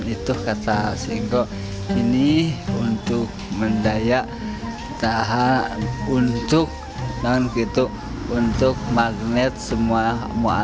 lampion itu kata singkong ini untuk mendaya tahap untuk magnet semua alam